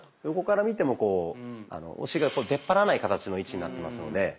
横から見てもこうお尻が出っ張らない形の位置になってますので。